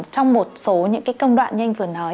trong một số những cái công đoạn như anh vừa nói